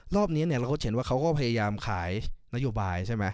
รอบนี้เราก็จะเห็นว่าเขาก็พยายามขายนัยอยุบาย